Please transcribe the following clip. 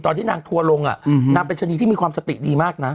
ตอนที่นางทัวร์ลงนางเป็นชะนีที่มีความสติดีมากนะ